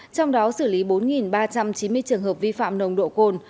trong đó xử lý bốn ba trăm chín mươi trường hợp vi phạm nồng độ cồn